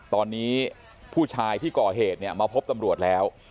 ตอนนี้ผู้ชายที่ก่อเหตุเนี่ยมาพบตำรวจแล้ว